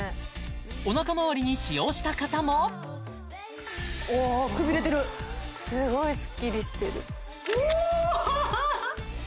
おなかまわりに使用した方もうわくびれてるすごいスッキリしてるおハハハ